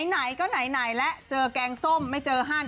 ไหนก็ไหนแล้วเจอแกงส้มไม่เจอหั่น